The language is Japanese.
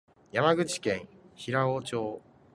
山口県平生町